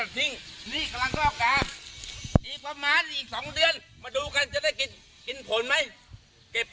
ไม่ใช่มีสนามย่าแล้วคุณก็บอก